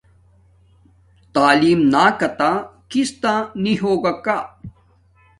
تعیلم نکاتہ کستہ نی ہوگاکا